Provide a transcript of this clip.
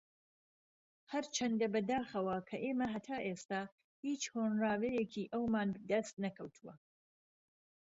ھەرچەندە بەداخەوە کە ئێمە ھەتا ئێستا ھیچ ھۆنراوەیەکی ئەومان دەست نەکەوتووە